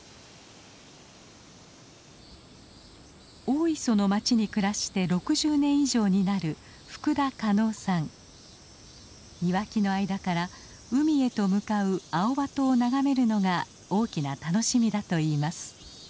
大磯の町に暮らして６０年以上になる庭木の間から海へと向かうアオバトを眺めるのが大きな楽しみだといいます。